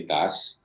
jadi dalam rangka